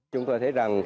chúng tôi thấy rằng